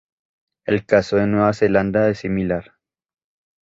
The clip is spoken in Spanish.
El caso de Nueva Zelanda es similar.